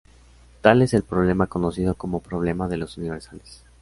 Tal es el problema conocido como problema de los universales.